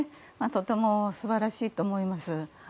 とても素晴らしいと思います。